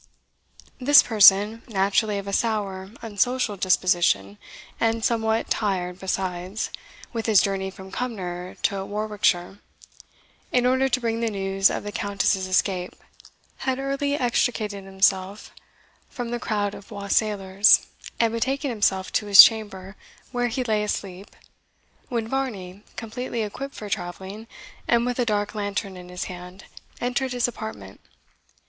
This person, naturally of a sour, unsocial disposition, and somewhat tired, besides, with his journey from Cumnor to Warwickshire, in order to bring the news of the Countess's escape, had early extricated himself from the crowd of wassailers, and betaken himself to his chamber, where he lay asleep, when Varney, completely equipped for travelling, and with a dark lantern in his hand, entered his apartment.